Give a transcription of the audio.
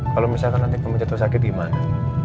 kalau misalkan nanti kamu jatuh sakit gimana